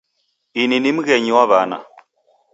Ini ni mghenyi wa w'ana.